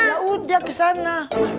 yaudah ke sana